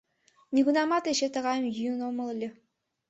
— Нигунамат эше тыгайым йӱын омыл ыле.